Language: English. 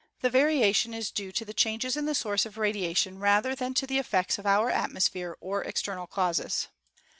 The variation is due to the changes in the source of radiation rather than to the effects of our atmosphere or external causes.